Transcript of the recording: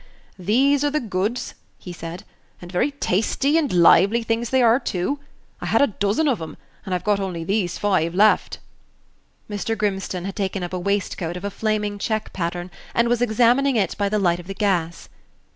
"These are the goods," he said; "and very tasty and lively things they are, too. I had a dozen of 'em; and I've only got these five left." Mr. Grimstone had taken up a waistcoat of a flaming check pattern, and was examining it by the light of the gas.